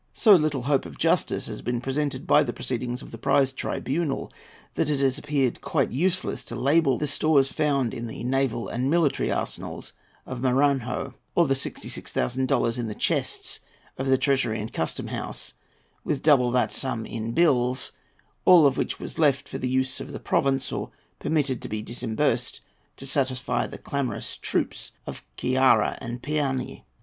So little hope of justice has been presented by the proceedings of the Prize Tribunal, that it has appeared quite useless to label the stores found in the naval and military arsenals of Maranhão, or the 66,000 dollars in the chests of the Treasury and Custom House, with double that sum in bills, all of which was left for the use of the province, or permitted to be disbursed to satisfy the clamorous troops of Ceara and Pianhy.